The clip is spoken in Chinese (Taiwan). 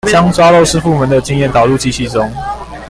將抓漏師傅們的經驗導入機器中